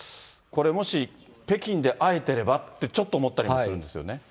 これもし北京で会えてればって、ちょっと思ったりもするんですよ